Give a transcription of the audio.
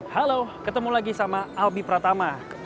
halo ketemu lagi sama albi pratama